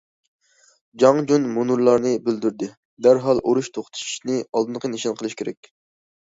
جاڭ جۈن مۇنۇلارنى بىلدۈردى: دەرھال ئۇرۇش توختىتىشنى ئالدىنقى نىشان قىلىش كېرەك.